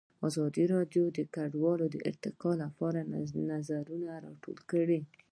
ازادي راډیو د کډوال د ارتقا لپاره نظرونه راټول کړي.